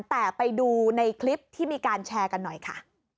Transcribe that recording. แต่ไปดูในคลิปที่มีการแชร์กันหน่อยค่ะ